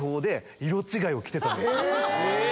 え